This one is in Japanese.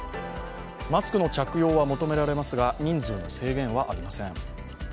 マスクの着用は求められますが人数の制限はありません。